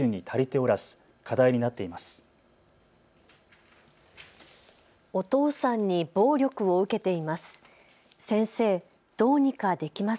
お父さんに暴力を受けています。